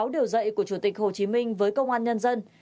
sáu điều dạy của chủ tịch hồ chí minh với công an nhân dân